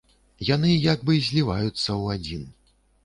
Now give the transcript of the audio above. Яны як бы зліваюцца ў адзін.